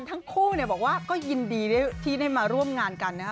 ทั้งคู่เนี่ยบอกว่าก็ยินดีที่ได้มาร่วมงานกันนะฮะ